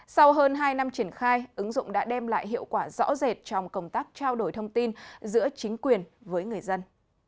sau hơn hai năm triển khai ứng dụng đã đem lại hiệu quả rõ rệt trong công tác trao đổi thông tin giữa chính quyền với người dân